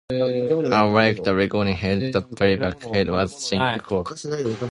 Unlike the recording head, the playback head has a single core.